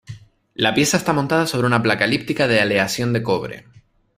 La pieza está montada sobre una placa elíptica de aleación de cobre.